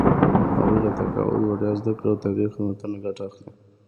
هغوی له تقاعد، وړیا زده کړو او طبي خدمتونو ګټه اخلي.